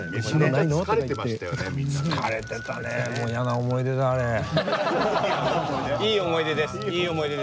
いい思い出ですよ。